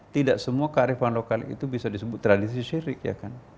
tidak semua kearifan lokal itu bisa disebut tradisi syirik ya kan